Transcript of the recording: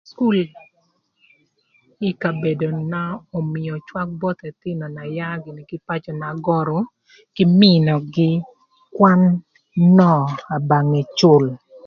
Cukul ï kabedona ömïö cwak both ëthïnö na yaa gïnï kï ï pacö na görü kï mïnögï kwan nöö abonge cül.